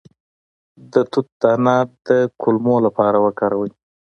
د توت دانه د کولمو لپاره وکاروئ